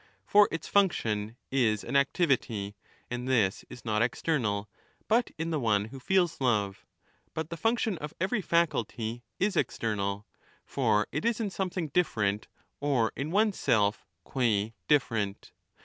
For its function is an activity, and this is not 35 external, but in the one who feels love, but the function of every faculty is external ; for it is in something different or in one's self qua different.